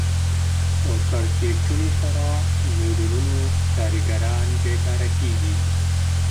په کړکېچونو سره میلیونونو کارګران بېکاره کېږي